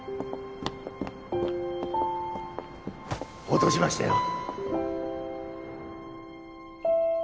落としましたよ。